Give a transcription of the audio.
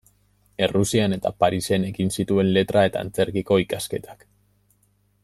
Errusian eta Parisen egin zituen Letra eta Antzerkiko ikasketak.